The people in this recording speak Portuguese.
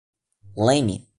Leme